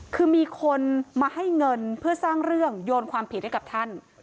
คือมีคนมาให้เงินเพื่อสร้างเรื่องโยนความผิดให้กับท่าน